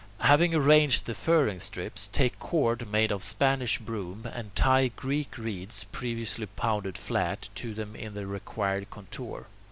Having arranged the furring strips, take cord made of Spanish broom, and tie Greek reeds, previously pounded flat, to them in the required contour.